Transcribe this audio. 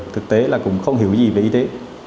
thực tế là cũng không hiểu gì về y tế